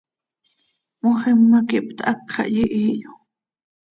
Moxima quih hpthác xah yihiihyo.